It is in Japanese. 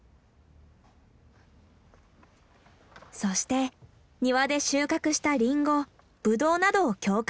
そして庭で収穫したリンゴブドウなどを教会に飾る。